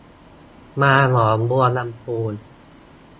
มาหนองบัวลำภู